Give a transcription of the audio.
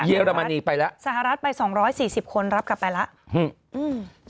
เรมนีไปแล้วสหรัฐไปสองร้อยสี่สิบคนรับกลับไปแล้วอืม